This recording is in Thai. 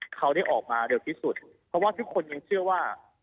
เขาได้ออกมาเร็วที่สุดเพราะว่าทุกคนยังเชื่อว่า